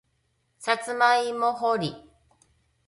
さつまいも掘り